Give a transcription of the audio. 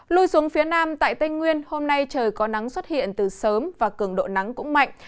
lui xuống phía nam tại tây nguyên hôm nay trời có nắng xuất hiện từ sớm và cường độ nắng cũng mạnh